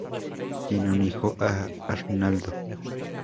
Tiene un hijo, Arnaldo.